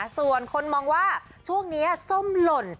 ส่วนคนมองว่าช่วงนี้ส้มหล่น